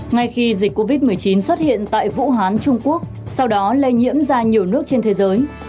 ngay khi dịch covid một mươi chín xuất hiện tại vũ hán trung quốc sau đó lây nhiễm ra nhiều nước trên thế giới